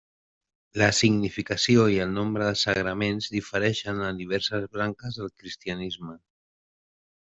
La significació i el nombre de sagraments difereixen en diverses branques del cristianisme.